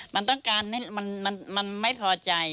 มันต้องการให้มันไม่พอใจ